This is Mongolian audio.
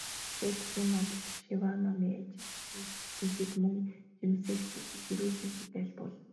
Дарь эхийн мандал шиваа номыг ажил үйлс бүтээхэд, мөн жирэмсэн эхчүүдийн эрүүл энхэд айлтгуулна.